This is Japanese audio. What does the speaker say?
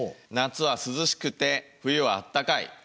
夏は涼しくて冬はあったかい。